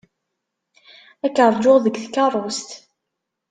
Ad k-ṛjuɣ deg tkeṛṛust.